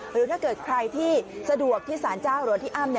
หรือถ้าเกิดใครที่สะดวกที่สารเจ้าหรือพี่อ้ำ